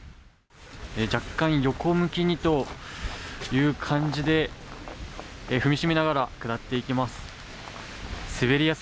若干、横向きにという感じで踏みしめながら下っていきます。